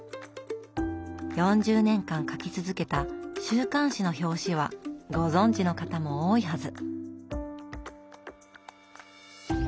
４０年間描き続けた週刊誌の表紙はご存じの方も多いはず。